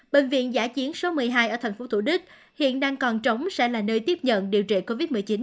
bệnh viện giả chiến số một mươi hai ở tp thủ đức hiện đang còn trống sẽ là nơi tiếp nhận điều trị covid một mươi chín